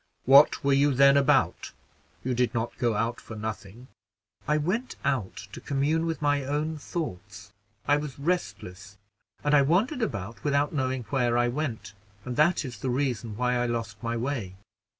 "What were you then about? you did not go out for nothing?" "I went out to commune with my own thoughts; I was restless, and I wandered about without knowing where I went, and that is the reason why I lost my way."